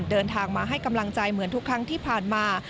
เดินทางมาให้กำลังใจเหมือนทุกครั้งที่ผ่านมา